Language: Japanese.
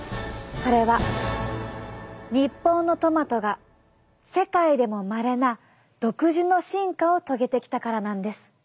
それは日本のトマトが世界でもまれな独自の進化を遂げてきたからなんです。